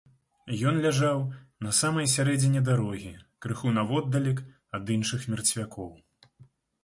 Ён ляжаў на самай сярэдзіне дарогі, крыху наводдалек ад іншых мерцвякоў.